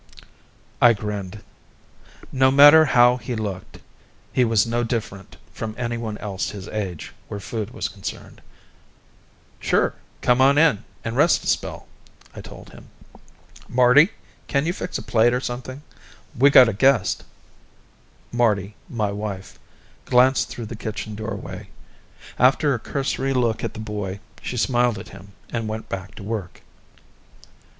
I grinned. No matter how he looked, he was no different from anyone else his age where food was concerned. "Sure; come on in and rest a spell," I told him. "Marty, can you fix a plate of something? We've got a guest." Marty my wife glanced through the kitchen doorway. After a cursory look at the boy, she smiled at him and went back to work.